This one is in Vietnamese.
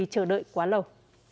chờ đợi quá lâu